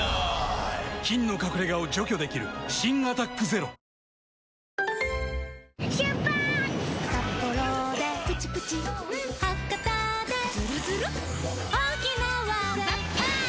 菌の隠れ家を除去できる新「アタックＺＥＲＯ」妹）